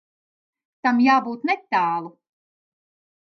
Tam jābūt netālu.